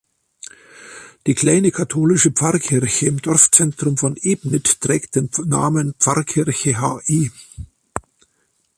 Die kleine katholische Pfarrkirche im Dorfzentrum von Ebnit trägt den Namen Pfarrkirche Hl.